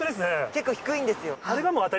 結構低いんですよ。